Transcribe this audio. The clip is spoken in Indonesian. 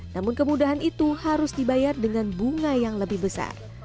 namun kemudahan itu harus dibayar dengan bunga yang lebih besar